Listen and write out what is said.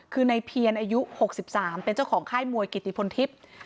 คือในเพียรอายุ๖๓เป็นเจ้าของค่ายมวยกิติพลทิพย์